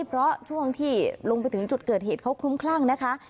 เพราะช่วงที่ลงไปถึงจุดเกิดเหตุเขาคลุ้มคลั่งนะคะ